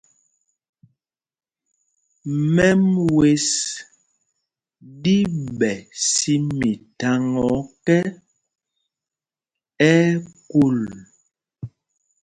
Mɛm wɛ̄ ɗí ɓɛ̌ sī mitháŋá ɔ́kɛ, ɛ́ ɛ́ kūl.